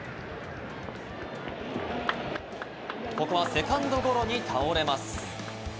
ここはセカンドゴロに倒れます。